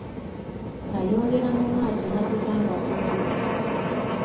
Ayongera mu maaso n’atugamba ku ebyo